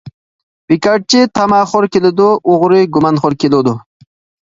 بىكارچى تاماخور كېلىدۇ، ئوغرى گۇمانخور كېلىدۇ.